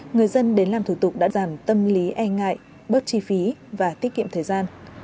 người dân đến làm thủ tục đã giảm tâm lý e ngại bớt chi phí và tiết kiệm thời gian